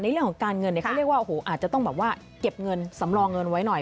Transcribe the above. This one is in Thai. ในเรื่องของการเงินเนี่ยเขาเรียกว่าอาจจะต้องเก็บเงินสำรองเงินไว้หน่อย